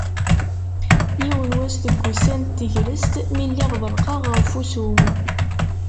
Yiwen n wass deg wussan n tegrest mi lliɣ ḍelqeɣ ɣef wussu.